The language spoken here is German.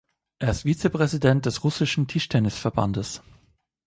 Er ist Vizepräsident des russischen Tischtennisverbandes.